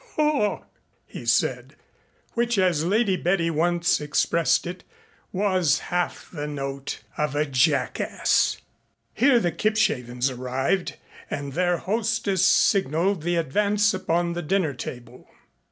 "Haw!" he said, which, as Lady Betty once expressed it, was half the note of a jackass. Here the Kipshavens arrived and their hostess signaled the advance upon the dinner table.